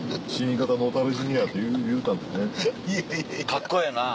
カッコええな！